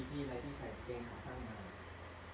พอแล้วพี่ใส่เกงเขาสร้างมา